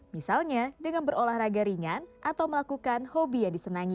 misalnya dengan berolahraga ringan atau melakukan hobi yang disenangi